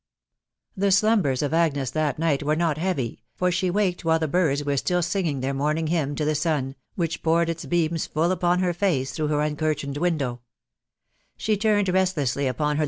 The slumbers o£ Agnes that night were: not heavy, fbr she wakedi while the. bird* w*re> still singing their morning hymn to the sun* which poured i^ beamafnll upanher face through her uncurtained window* She tunned real&esaty upon her.